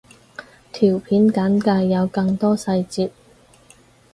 條片簡介有更多細節